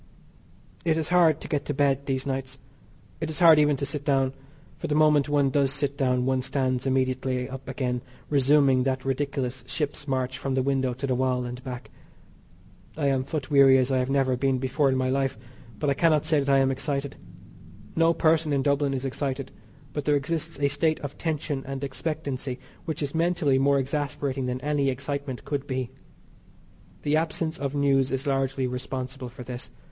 It is hard to get to bed these nights. It is hard even to sit down, for the moment one does sit down one stands immediately up again resuming that ridiculous ship's march from the window to the wall and back. I am foot weary as I have never been before in my life, but I cannot say that I am excited. No person in Dublin is excited, but there exists a state of tension and expectancy which is mentally more exasperating than any excitement could be. The absence of news is largely responsible for this.